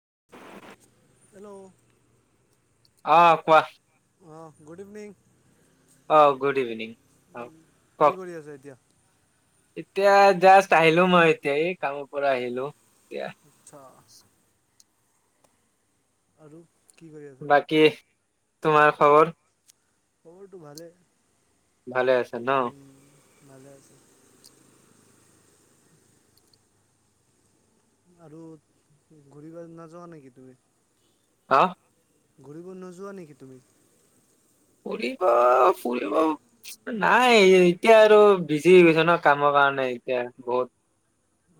[inaudible] অ', কোৱা। অঁ' good evening. অ গুড ইভিনিং অ', কি কওক? কৰি আছা এতিয়া এতিয়া জাষ্ট আহিলো মই এতিয়া এই কামৰ পৰা আহিলো এতিয়া আচ্ছা [unintelligible] আছা বাকী, তোমাৰ খবৰ? খবৰটো ভালে। ভালে আছে ন? উম, ভালে আছো। আৰু ঘূৰি নযোৱা নেকি তুমি? হা। ঘূৰিব নোযোৱা নেকি তুমি? ফুৰিব ফুৰিব নাই এতিয়া আৰু বিজি হৈ গৈছে ন কামৰ কাৰণে এতিয়া বহুত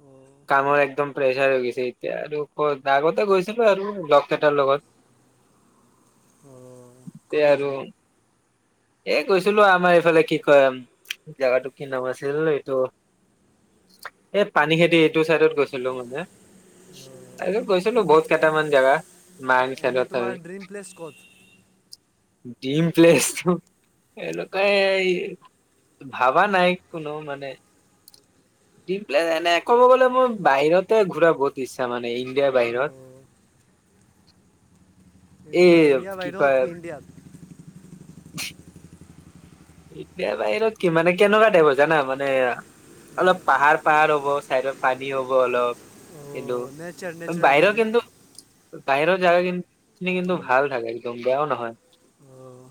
অঁ প্ৰেছাৰ হৈ গৈছে, এতিয়া আৰু ক আগতে গৈছিলো আৰু লগ কেটাৰ লগত অঁহ ক'ত গৈছিলা? এ গৈছিলো আমাৰ এইফালে কি কয়- জেগাটো কি নাম আছিল এইটো এই পানী খেতি এইটো চাইদত গৈছিলো মানে তাৰপিছত গৈছিলো বহুত কেইটামান জেগা মায়ং এনেই চাইডত তোমাৰ ড্ৰিম প্লেছ ক'ত? ডিম প্লেছ তো এওঁলোকেই ভাবা নাই কোনো মানে প্লেন এনে ক'ব গলে মই বাহিৰতে ঘুৰা বহুত ইচ্ছা মানে ইণ্ডিয়াৰ বাহিৰত। অঁ এ ইণ্ডিয়া ইণ্ডিয়া কি বাহিৰত কয় ইণ্ডিয়াত [unintelligible] ইণ্ডিয়া বাহিৰত কি মানে কেনেকুৱা টাইপৰ জানা, মানে অলপ পাহাৰ পাহাৰ হ'ব চাইডত পানী হ'ব অলপ। কিন্তু অঁ নেচাৰ নেচাৰেল বাহিৰৰ টাইপ না কিন্তু বাহিৰৰ জাগা কিন্ কিন্তু উম, ভাল থাকে একদম। বেয়াও নহয় অঁ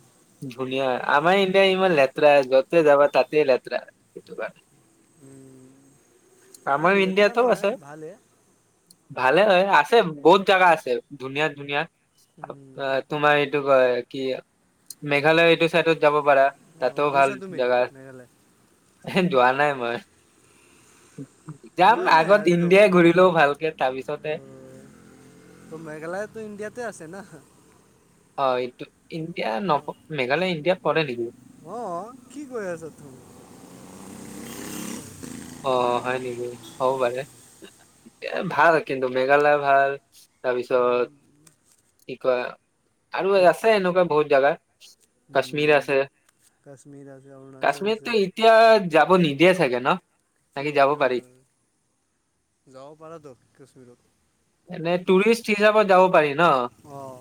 ধুনীয়া। আমাৰ ইন আ ইমান লেতৰা য'তে যাবা তাতেই লেতৰা সেইটো কাৰণে। উম, আমাৰ নাই লেতেৰা ইণ্ডিয়াতো আছে নহয় ভালে। ভালে হয়, আছে বহুত জাগা আছে। ধুনীয়া ধুনীয়া। উম, তোমাৰ এইটো কয় কি মেঘালয় এইটো চাইডত যাব পাৰা। অ' তাতো ভাল গৈছা তুমি জাগা। মেঘালয় যোৱা নাই মই। যাম যোৱাই নাই আগত আজিলৈ ইণ্ডিয়াই ঘূৰি লওঁ ভালকে। তাৰপিছতে ত' মেঘালয়তো ইণ্ডিয়াতে আছে না। অ', এইটো ইণ্ডিয়া নপ-মেঘালয় ইণ্ডিয়া পৰে নেকি? অ', কি কৈ আছা তুমি? অ', হয়, নেকি? হ'ব পাৰে এ, ভাল কিন্তু মেঘালয়, ভাল তাৰপিছত উম, কি কয় আৰু এক আছে এনেকুৱা বহুত জাগা কাশ্মীৰ উম, আছে। কাশ্মীৰ আছে অৰুণাচল আছে কাশ্মীৰতো এতিয়া যাব নি দিয়ে চাগে ন? বাকী কিয় যাব কিয় পাৰি নোৱাৰে যাব পাৰা টো কাশ্মীৰত এনে টুৰিষ্ট হিচাপত যাব পাৰি। ন অঁ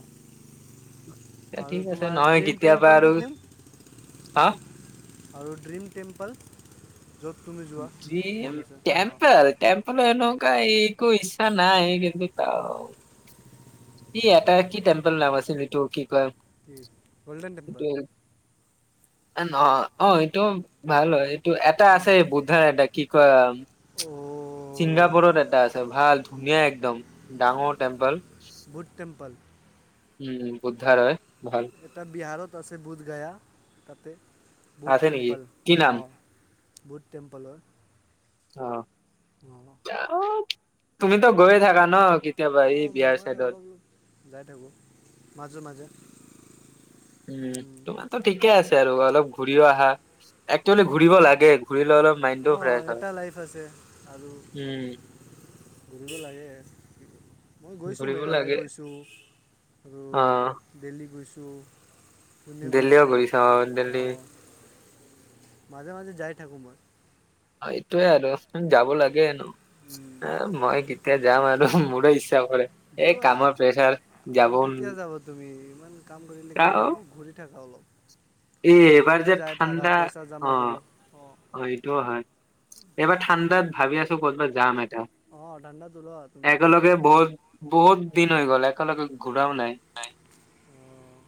আৰু ঠিক আছে তোমাৰ নহয় ড্ৰিম কেতিয়া বা টেম্পলটো আৰু কোন হা। আৰু ড্ৰিম টেম্পল, য'ত তুমি যোৱা ড্ৰিম মন আছে অঁ টেম্পল টেম্পল মানে, তাৰ একো ইচ্ছা নাই। [unintelligible] ই এটা কি টেম্পল নাম আছিল তোৰ কি কয় কি গ'ল্ডন টেম্পল, অ' অ' এইটো ভাল হয় এইটো এটা আছে বুদ্ধাৰ এটা কি কয়? অ' ছিংগাপুৰত এটা আছে ভাল ধুনীয়া একদম ডাঙৰ টেম্পল বুধ টেম্পল উম বুদ্ধাৰয়, এটা বিহাৰত আছে বুধ গয়া ততে বুধ আছে নেকি টেম্পল কি অ' নাম বুধ টেম্পল হয়। অ' অঁ অ'। তুমিতো গৈ থাকা ন কি কেতিয়াবা এই অঁ বিহাৰ মই চাইডত। অলপ অলপ যাই থাকোঁ মাজে মাজে উম, তোমাৰো ঠিকে আছে আৰু অলপ ঘূৰিও আহা। একচেলি ঘুৰিব লাগে ফুৰিলে অলপ মাইণ্ডটো অঁ ফ্ৰেছ হয়। এটা লাইফ আছে আৰু উম। ঘূৰিব লাগে মই গৈছোঁ ঘূৰিব মেঘালয় লাগে। গৈছোঁ। আৰু অ', দিল্লী গৈছোঁ দু দিল্লীও ঘূৰি চাৱ দিল্লী। মাজে- মাজে যাই থাকো মই। সৈইটোয়ে আৰু। যাব লাগে ন, উম, এ মই কি কেতিয়া যাম আৰু, মোৰে ইচ চ্ছা কৰে, এই যোৱা কামৰ প্ৰেছাৰ আৰু যাবও কেতিয়া যাব তুমি ইমান কাম কৰিলে কেনেকে হ'ব ঘূৰি থাকা অলপ, এই এইবাৰ যে মাজে-মাজে যায় থাকা ঠাণ্ডা পইচা জমা অ', কৰি, অ'। এইটোও হয়। এইবাৰ ঠাণ্ডাত ভাবি আছো ক'তবাত যাম। এটা। অ', ঠাণ্ডা তলুৱাত তুমি একেলগে বহুত বহুত [unintelligible] দিন হৈ গ'ল একেলগে ঘুৰাও নাই। অঁ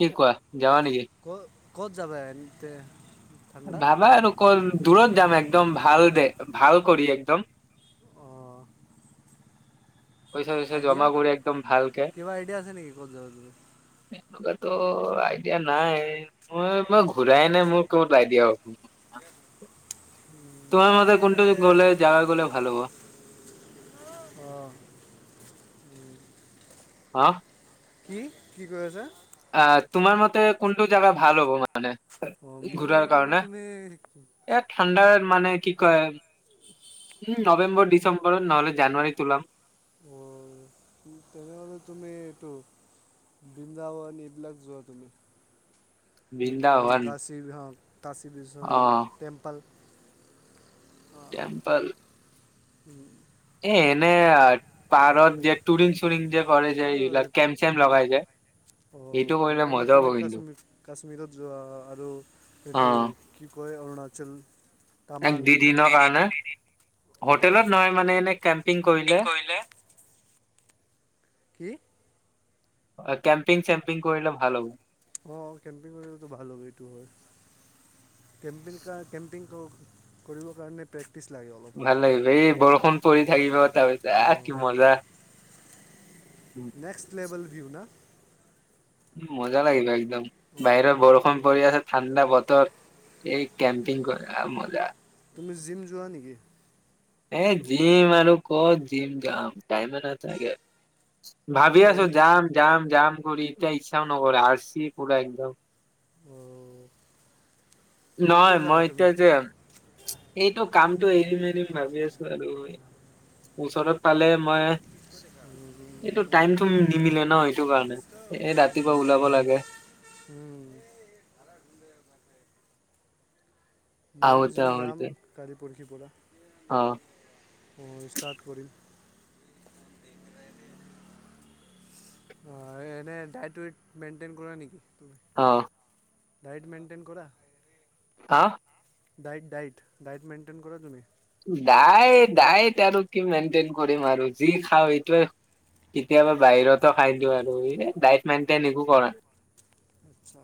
কি কোৱা। যাৱা নেকি। ক'ত ক'ত যাবা এ তে ভাবা আৰু ক' ৰ দূৰত যাম এক একদম ভাল দে ভাল কৰি একদম। অ'। পইচা চইচা আইডিয়া জমা কৰি একদম ভালকে কিবা আইডিয়া আছে নেকি ক'ত যাবা তুমি ত' আইডিয়া নাই। মই-মই ঘূৰাই নাই মোৰ ক'ত আইডিয়া হ'ব। [unintelligible] তোমাৰ মতে কোনটো গ'লে জাগা গ'লে ভাল হ'ব। উম। হা। কি-কি কৈ আছা। আ তোমাৰ মতে কোনটো জাগা ভাল হ'ব মান মানে, অঁ মোৰ ঘূৰাৰ মতেতো কাৰণে, তুমি এ ঠাণ্ডাৰ মানে কি কয় উম নৱেম্বৰ ডিচেম্বৰ নহ'লে জানুৱাৰীত ওলাম। অ', তেনেহ'লে তুমি এইটো বৃন্দাবন এইবিলাক যোৱা তুমি। বৃন্দাবন, কাশী [unintelligible] কাশী অ বিশ্বনাথ টেম্পল অ'। টেম্পল। [inaudible] এ এনে পাৰত টুৰিং চুৰিং যে কৰে যে এইবিলাক অ' কেম্প চেম্প ঠান লগাই যে এইটো অ', কৰিলে তেনেহ'লে মজা হ'ব তুমি কিন্তু কাশ্মীৰ কাশ্মীৰত যোৱা আৰু অ এইটো কি কয় অৰুণাচল। এক টামাং দুদিনৰ কাৰণে, অঁ হোটেলত নহয় মানে এনে কেম্পিং কৰিলে। কি? কেম্পিং চেম্পিং কৰিলে ভাল হ'ব। অ' কেম্পিং কৰিলেতো ভাল হ'ব এইটো হয়, কেম্পিং কাৰ কেম্পিং ক কৰিবৰ কাৰণে প্ৰেক ভাল লাগিব এই বৰষুণ পৰি অঁ থাকিব তাৰপিছত কি অঁ মজা। উম। নেক্সট [unintelligible] মজা লাগিব একদ [unintelligible] বাহিৰত অঁ বৰষুণ পৰি আছে ঠাণ্ডা বতৰ, এই কেম্পিং কৰা এ মজা। তুমি জিম যোৱা নেকি। এ জিম আৰু ক'ত জিম যাম টাইমে নাথাকে। ভাবি আছো হেৰি যাম যাম যাম এতিয়া ইচ্ছাও নকৰে আলছি পুৰা একদম। অঁ নহয় কেতিয়া যাবা মই তুমি এতিয়া যে, এইটো কামটো এৰিম এৰিম [unintelligible] ওচৰত পালে মই, এইটো টাইমটো নিমিলে ন এইটো কাৰণে, এই ৰাতিপুৱা ওলাব লাগে। মইয়ো আহোতে জিম যাম আহোতে কা অ [unintelligible] অ' ষ্টাৰ্ট কৰিম। অ' এনে ডাইট উট মেইনটেইন কৰে নেকি। তুমি অ'। ডায়েট মেইণ্টেইন কৰা। হা? ডাইট ডাইট, ডাইট মেইনটেইন কৰা তুমি। ডাইট ডাইট আৰু কি মেইনটেইন কৰিম আৰু যি খাওঁ সেইটোৱে, কেতিয়াবা বাহিৰতো খাই দিওঁ আৰু এই ডাইট মেইনটেইন একো কৰা। আচ্ছা।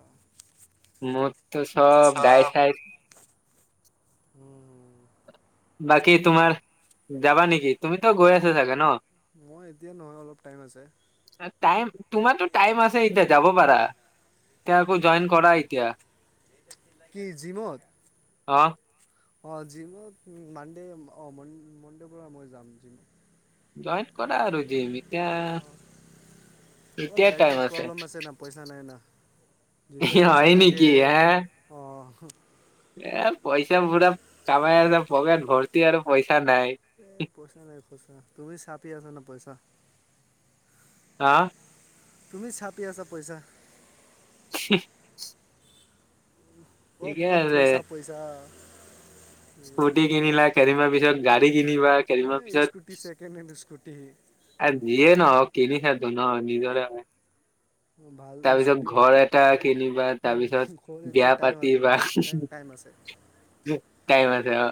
[unintelligible] ত চব গাই চাই উম, বাকী তোমাৰ যাবা নেকি তুমিতো গৈ আছা চাগে ন মই এতিয়া নহয় অলপ টাইম আছে তোমাৰো টাইম আছে এতিয়া যাব পাৰা এতিয়া অকল জইন কৰা এতিয়া। কি জিমত অ। অ' জিমত মানডে অ মনডে পৰা মই যাম জিমত জইন্ট কৰা আৰু জিম ত অলপ তেয়া ডায়েটৰ টাইম আছে। প্ৰব্লেম না পইচা নাই না যেতিয়া পইচা হয় থাকে নেকি আহ। হ এ পইচা পুৰা কামাই আছা পকেট ভৰ্তি আৰু পইচা নাই। এ পইচা নাই খচা তুমি চাপি আছা ন পইচা আহা তুমি ছাপি আছা পইচা শ ক'ত ক'ত আছে থৈছা পইছা স্কুটি কিনিলা কেইদিনমান পিছত গাড়ী কিনিবা কেইদিনমানৰ পিছত তে আৰু যিয়ে নহওক কিনিছোটো ন নিজৰে হয় ভাল তাৰপিছত স্কুটি ভাল ঘৰ এটা কিনিবা তাৰপিছত ঘৰ বিয়া এতিয়া টাইম আছে পাতিবা ঘৰ কিনাৰ টাইম আছে তাই ম এয়া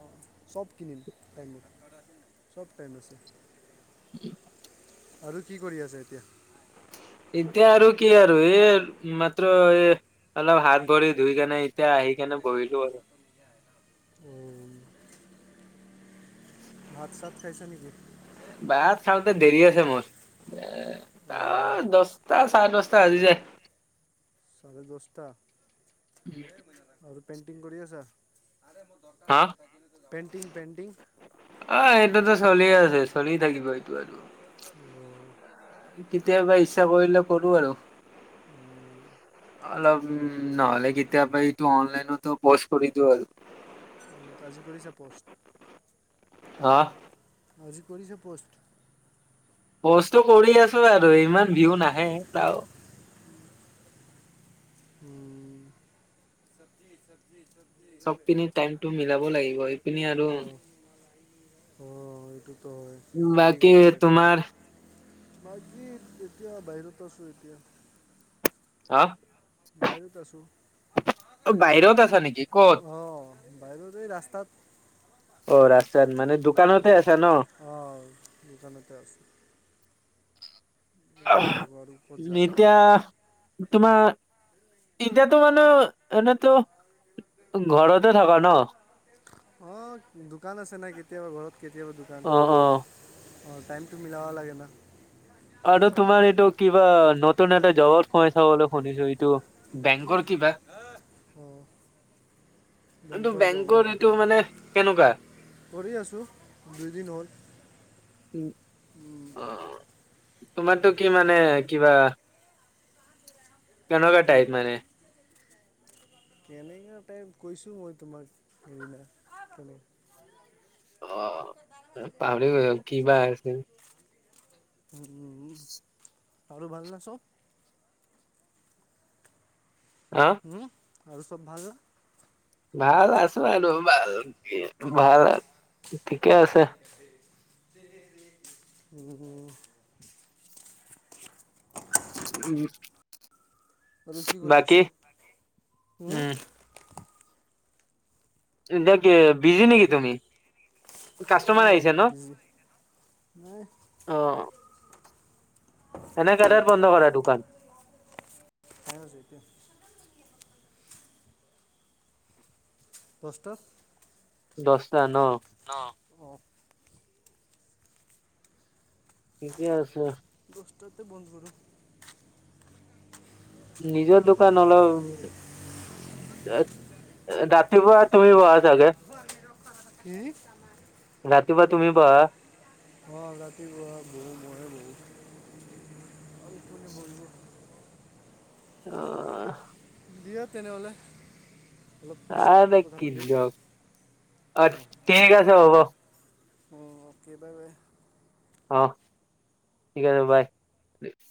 অঁ চব কিনিম টাইম চব টাইম আছে উ আৰু কি কৰি আছে এতিয়া। এতিয়া আৰু কি আৰু এই মাত্ৰ এই অলপ হাত ভৰি ধুই কেনে এতিয়া আহি কেনে বহিলো আৰু অ [inaudible] ভাত চাত খাইছা নেকি? উ [inaudible] বাত চাওঁতে দেৰি আছে মোৰ এ ত দচটা চাৰে দচটা বাজি যাই চাৰে দচটা পেইণ্টিং কৰি আছা। হা পেণ্টিং পেণ্টিং অ এইটোতো চলিয়ে আছে। চলি থাকিব এইটো আৰু কেতিয়াবা ইচ্ছা কৰিলে কৰো আৰু অলপ উ উ নহ'লে কেতিয়াবা এইটো অনলাইনতো পোষ্ট কৰি দিওঁ আৰু আজি কৰিছো প'ষ্ট। আহ আজি কৰিছে প'ষ্ট। কষ্টটো কৰি আছো আৰু ইমান ভিউ নাহে তাও উম চবজি চবজি চব পিনি টাইমটো মিলাব লাগিব এইপিনি আৰু অঁ অঁ এইটোতো হয় কি বাকী কৰিবা এতিয়া তোমাৰ বাকী এতিয়া বাহিৰত আছো এতিয়া। হা বাহিৰত আছোঁ বাহিৰত আছা নিকি ক'ত বাহিৰতে ৰাস্তাত অ ৰাস্তাত মানে দোকানতে অঁ আছা ন অঁ দোকানতে আছোঁ ইয়াতে থাকোঁ আৰু ক'ত অহহ যাবা এতিয়া তোমাৰ এতিয়াতো মানে এনেতো ঘৰতে থকা ন অ দোকান আছে না কেতিয়াবা ঘৰত কেতিয়াবা দোকান অ অ অঁ টাইমটো মিলাব লাগে ন আৰু তোমাৰ এইটো কিবা নতুন এটা জগত কৰিছা বুলি শুনিছো এইটো কি বেংকৰ কিবা আহ এইটো বেংকৰ যাবা অহ এইটো মানে কেনেকুৱা কৰি আছো দুইদিন হ'ল উম অ তোমাতো কি মানে কিবা কেনেকা টাইপ মানে কেনেকা টাইপ কৈছো মই তোমাক হেদিনা কেনে অ পাৰিব কি বা আছে উম আৰু ভাল নে চব হা হম আৰু চব ভালনা ভাল আছো আৰু ভাল ভাল ঠিকে আছে উ উম আৰু কি কৰি বাকী আছে উম হুম এতিয়া কি বিজি নিকি তুমি অ কাষ্টমাৰ আহিছে অলপ ন বিজি নাই অ' এনে কেটাত বন্ধ কৰা দোকান খাইঅ যেতিয়া কষ্ট দছটা ন অ' ঠিকে আছে দছতাতে বন্ধ কৰো নিজৰ দোকান অলপ ৰাতিপুৱা তুমি বহা চাগে কি ৰাতিপুৱা তুমি বহা অ ৰাতিপুৱা বহো মইয়ে বহো কোনে বহিব [unintelligible] [unintelligible] দিয়া তেনেহ'লে। অলপ পিছত আৰে! কথা পাতিম কিংজন অ' ঠিক আছে, হ'ব। অ' কেইবাবে। অ' ঠিক আছে। বাই।